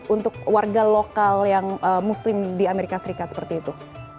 untuk warga lokal yang muslim di amerika serikat seperti itu